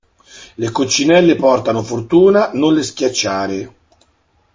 Le coccinelle portano fortuna, non le schiacciare!